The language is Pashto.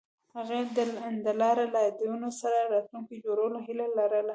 هغوی د لاره له یادونو سره راتلونکی جوړولو هیله لرله.